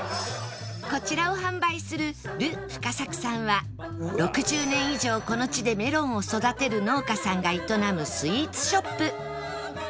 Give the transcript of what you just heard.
こちらを販売するル・フカサクさんは６０年以上この地でメロンを育てる農家さんが営むスイーツショップ